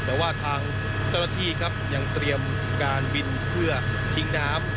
แต่ว่าทางเจ้าหน้าที่ครับยังเตรียมการบินเพื่อทิ้งน้ำ